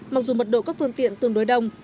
mặc dù mật độ các phương tiện tương đối đông